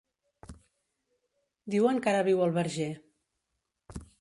Diuen que ara viu al Verger.